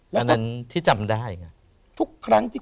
โปรดติดตามต่อไป